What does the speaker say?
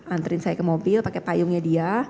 anterin saya ke mobil pakai payungnya dia